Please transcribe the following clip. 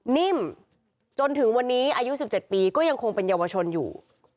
นิ่มจนถึงวันนี้อายุ๑๗ปีก็ยังคงเป็นเยาวชนอยู่